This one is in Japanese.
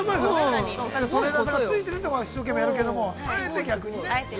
◆トレーナーさんがついてるので、一生懸命やるけどもと。